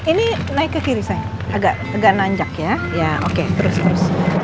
ini naik ke kiri sayang agak tegak nanjak ya ya oke terus terus